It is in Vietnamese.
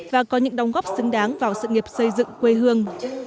và có những đóng góp xứng đáng vào sự nghiệp xây dựng quê hương